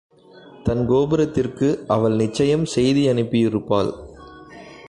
தன் கோபுரத்திற்கு அவள் நிச்சயம் செய்தி யனுப்பியிருப்பாள்.